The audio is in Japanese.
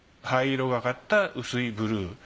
灰色がかった薄いブルー。